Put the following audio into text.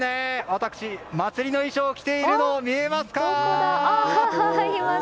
私、祭りの衣装を着ているの見えますか？